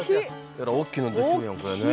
えらいおっきいのできてるやんこれね。